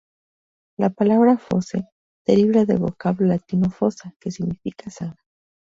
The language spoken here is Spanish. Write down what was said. La palabra "Fosse" deriva del vocablo latino "fossa", que significa zanja.